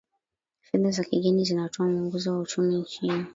fedha za kigeni zinatoa mwongozo wa uchumi nchini